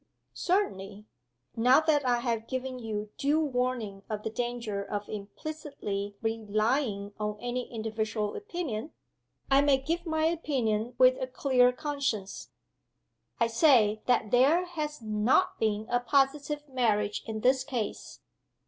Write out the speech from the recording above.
"Certainly. Now that I have given you due warning of the danger of implicitly relying on any individual opinion, I may give my opinion with a clear conscience. I say that there has not been a positive marriage in this case.